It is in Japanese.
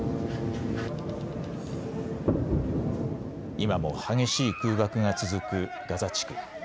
今も激しい空爆が続くガザ地区。